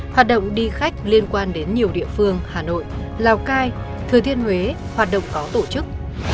hoạt động đi khách liên quan đến nhiều địa phương hà nội lào cai thừa thiên huế hoạt động có tổ chức